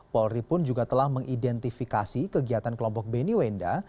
polri pun juga telah mengidentifikasi kegiatan kelompok beni wenda